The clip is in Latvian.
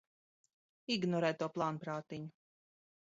Ignorē to plānprātiņu!